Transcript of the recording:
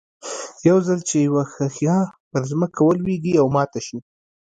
يو ځل چې يوه ښيښه پر ځمکه ولوېږي او ماته شي.